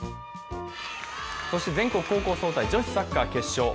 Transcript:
そして全国高校総体・女子サッカー決勝は